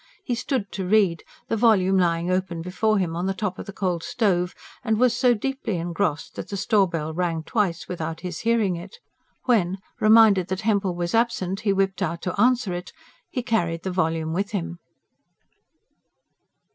He stood to read, the volume lying open before him on the top of the cold stove, and was so deeply engrossed that the store bell rang twice without his hearing it. When, reminded that Hempel was absent, he whipped out to answer it, he carried the volume with him.